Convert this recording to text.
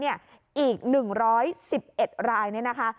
อีก๑๑๑รายนี่นะคะ